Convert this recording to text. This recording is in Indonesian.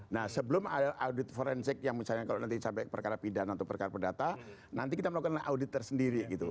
nah sebelum ada audit forensik yang misalnya kalau nanti sampai perkara pidana atau perkara perdata nanti kita melakukan audit tersendiri gitu